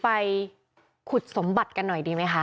ไปขุดสมบัติกันหน่อยดีไหมคะ